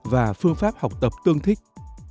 và phương pháp học tập tương thích